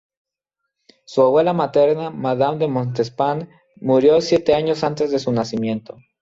Su abuela materna, Madame de Montespan murió siete años antes de su nacimiento.